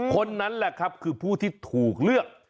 คนนั้นคือผู้ที่ถูกเลือก